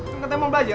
kan kita mau belajar